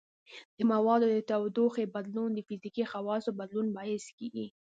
د موادو د تودوخې بدلون د فزیکي خواصو بدلون باعث کیږي.